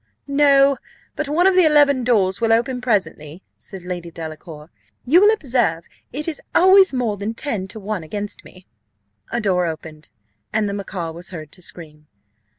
"No, but one of the eleven doors will open presently," said Lady Delacour: "you will observe it is always more than ten to one against me." A door opened, and the macaw was heard to scream.